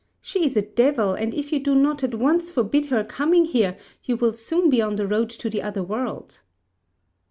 She is a devil, and if you do not at once forbid her coming here, you will soon be on the road to the other world."